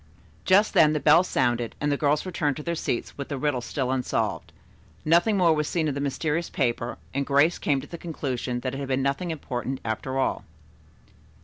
Just then the bell sounded and the girls returned to their seats with the riddle still unsolved. Nothing more was seen of the mysterious paper, and Grace came to the conclusion that it had been nothing important, after all.